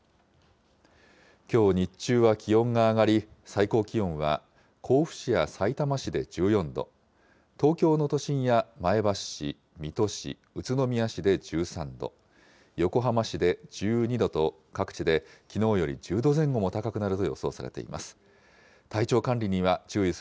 きょう日中は気温が上がり、最高気温は甲府市やさいたま市で１４度、東京の都心や前橋市、水戸市、宇都宮市で１３度、横浜市で１２度と、各地できのうより１０度前後も高くなると予想されています。